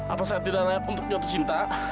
apa saya tidak layak untuk jatuh cinta